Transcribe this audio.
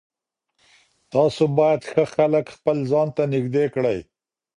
تاسو باید ښه خلک خپل ځان ته نږدې کړئ.